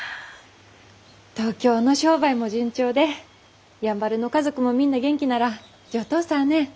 東京の商売も順調でやんばるの家族もみんな元気なら上等さぁねぇ。